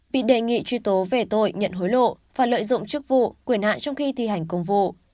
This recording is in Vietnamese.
bị đề nghị truy tố về tội nhận hối lộ và lợi dụng chức vụ quyền hạn trong khi thi hành công vụ